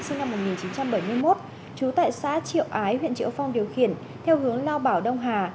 sinh năm một nghìn chín trăm bảy mươi một trú tại xã triệu ái huyện triệu phong điều khiển theo hướng lao bảo đông hà